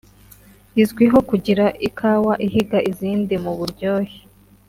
izwiho kugira ikawa ihiga izindi mu buryohe”